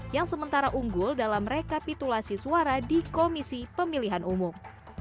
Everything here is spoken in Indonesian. yang sementara unggul dalam rekapitulasi suara di komisi pemilihan umum